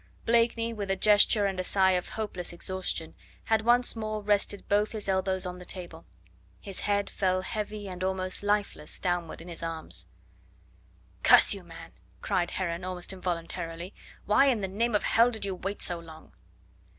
Blakeney, with a gesture and a sigh of hopeless exhaustion had once more rested both his elbows on the table; his head fell heavy and almost lifeless downward in his arms. "Curse you, man!" cried Heron almost involuntarily. "Why in the name of hell did you wait so long?"